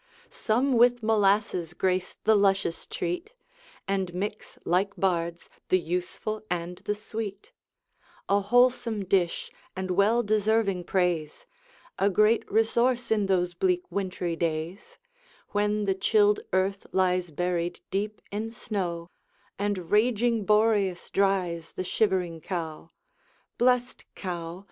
Some with molasses grace the luscious treat, And mix, like bards, the useful and the sweet; A wholesome dish, and well deserving praise, A great resource in those bleak wintry days, When the chilled earth lies buried deep in snow, And raging Boreas dries the shivering cow. Blest cow!